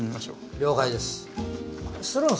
了解です。